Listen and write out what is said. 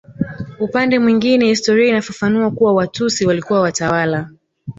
Upande mwingine historia inafafanua kuwa Watusi walikuwa watawala